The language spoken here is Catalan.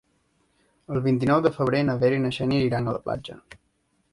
El vint-i-nou de febrer na Vera i na Xènia iran a la platja.